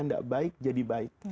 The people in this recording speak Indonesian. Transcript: tidak baik jadi baik